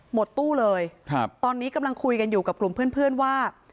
หมดตู้เลยครับตอนนี้กำลังคุยกันอยู่กับกลุ่มเพื่อนว่า